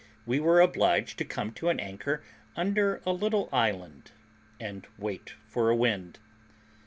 we were obliged to come to an anchor under a little island, and wait for a wind.